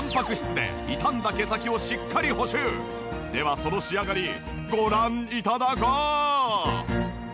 その仕上がりご覧頂こう！